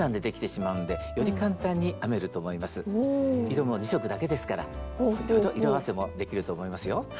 色も２色だけですからいろいろ色合わせもできると思いますよ。